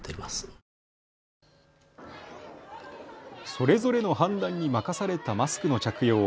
それぞれの判断に任されたマスクの着用。